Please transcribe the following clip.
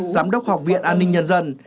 giám đốc học viện an ninh nhân dân